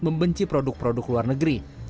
membenci produk produk luar negeri